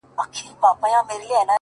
ه مړ يې که ژونديه ستا؛ ستا خبر نه راځي؛